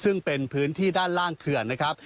ซึ่งเป็นพื้นที่ด้านล่างเขื่อนนะครับ